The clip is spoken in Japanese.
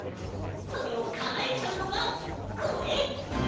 それをかなえちゃうのがこれ！